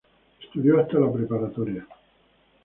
Estudió hasta la preparatoria.